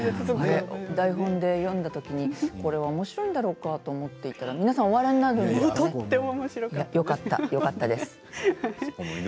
台本で読んだときにこれはおもしろいんだろうかと思いましたけど皆さん、お笑いになってよかったです。